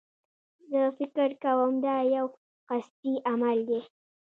زه فکر کوم دایو قصدي عمل دی.